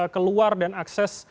keluar dan akses